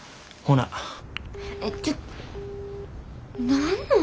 何なん。